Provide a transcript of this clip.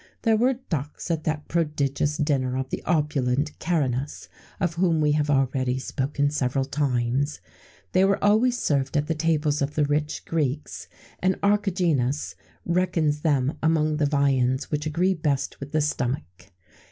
There were ducks at that prodigious dinner of the opulent Caranus, of whom we have already spoken several times. They were always served at the tables of the rich Greeks;[XVII 39] and Archigenes reckons them among the viands which agree best with the stomach.